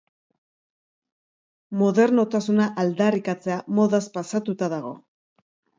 Modernotasuna aldarrikatzea modaz pasatuta dago.